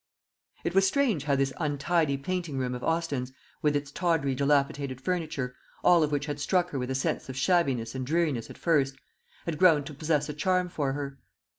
It was strange how this untidy painting room of Austin's, with its tawdry dilapidated furniture all of which had struck her with a sense of shabbiness and dreariness at first had grown to possess a charm for her.